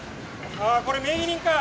あこれ名義人か。